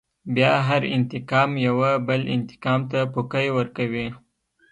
بيا هر انتقام يوه بل انتقام ته پوکی ورکوي.